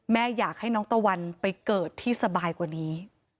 อยากให้น้องตะวันไปเกิดที่สบายกว่านี้